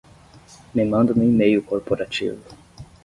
Me manda no e-mail corporativo